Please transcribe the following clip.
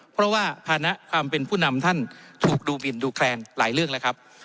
เพราะว่าภานะความเป็นผู้นำท่านถูกดูหมินดูแคลนหลายเรื่องแล้วครับ